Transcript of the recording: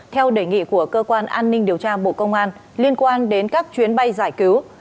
theo đề nghị của cơ quan an ninh điều tra bộ công an liên quan đến các chuyến bay giải cứu